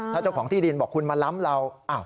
ถ้าเจ้าของที่ดินบอกคุณมาล้ำเรา